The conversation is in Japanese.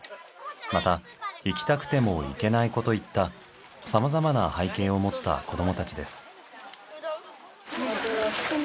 また行きたくても行けない子といったさまざまな背景を持った子どもたちです。